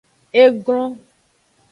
E glon.